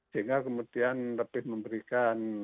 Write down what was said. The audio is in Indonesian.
sehingga kemudian lebih memberikan